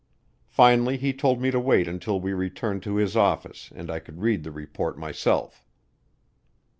Finally he told me to wait until we returned to his office and I could read the report myself.